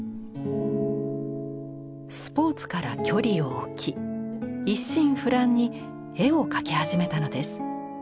スポーツから距離を置き一心不乱に絵を描き始めたのです。